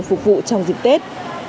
phục vụ trong dịp tết